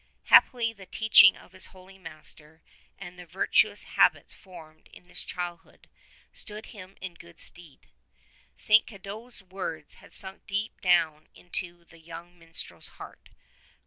Happily the teaching of his holy master and the virtuous habits formed in his childhood stood him in good stead. St. Cadoc's words had sunk deep down into the young minstrel's heart.